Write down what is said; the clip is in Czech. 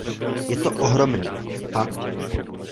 Je to ohromný, fakt.